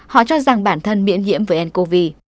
họ cho rằng bản thân miễn nhiễm với ncov